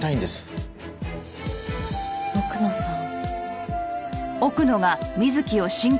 奥野さん。